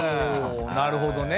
おなるほどね。